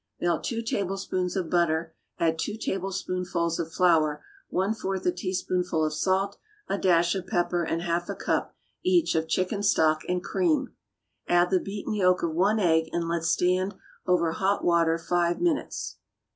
= Melt two tablespoonfuls of butter, add two tablespoonfuls of flour, one fourth a teaspoonful of salt, a dash of pepper and half a cup, each, of chicken stock and cream; add the beaten yolk of one egg and let stand over hot water five minutes.